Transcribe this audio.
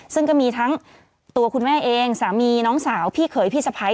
ซึ่งก็มีทั้งตัวคุณแม่เองสามีน้องสาวพี่เขยพี่สะพ้าย